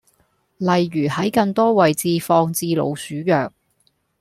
例如喺更多位置放置老鼠藥